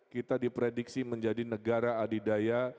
kita diprediksi menjadi negara adidaya